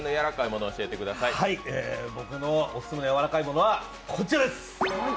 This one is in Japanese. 僕のオススメのやわらかいものは、こちらです。